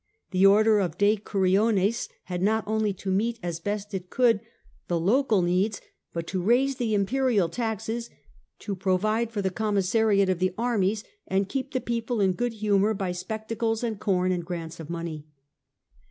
The order of decuriones had not only to meet as it best could the local needs, but to raise the imperial taxes, to provide for the commissariat of the armies, and keep the people in good humour by spec tacles and com and grants of money.